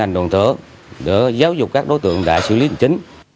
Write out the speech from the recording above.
đỡ giáo dục các đối tượng đã xử lý hình chính